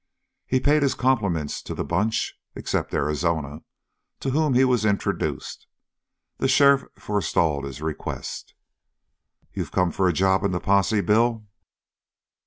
He paid his compliments to the bunch, except Arizona, to whom he was introduced. The sheriff forestalled his request. "You've come for a job in the posse, Bill?"